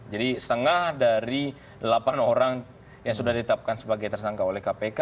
jadi setengah dari delapan orang yang sudah ditetapkan sebagai tersangka oleh kpk